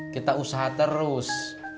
kita usaha terus